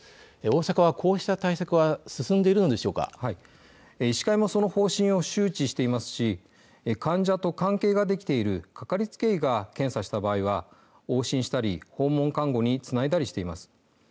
大阪はこうした対策は医師会もその方針を周知していますし患者と関係ができているかかりつけ医が検査した場合は往診したり訪問看護につないだりしています。